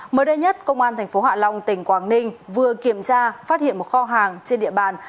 mới đây nhất công an tp hạ long tỉnh quảng ninh vừa kiểm tra phát hiện một kho hàng trên địa bàn